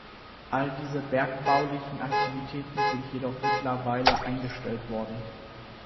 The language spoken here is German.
All diese bergbaulichen Aktivitäten sind jedoch mittlerweile eingestellt worden.